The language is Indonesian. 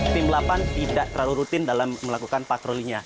tim delapan tidak terlalu rutin dalam melakukan patrolinya